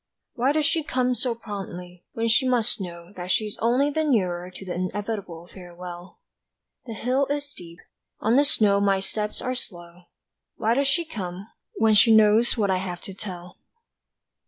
Why does she come so promptly, when she must know That she's only the nearer to the inevitable farewell; The hill is steep, on the snow my steps are slow Why does she come, when she knows what I have to tell?